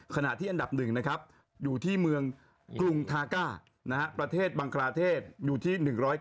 ขณะที่อันดับ๑นะครับอยู่ที่เมืองกรุงทาก้าประเทศบังคลาเทศอยู่ที่๑๙